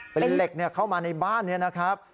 เป็นเหล็กเข้ามาในบ้านนี้นะครับ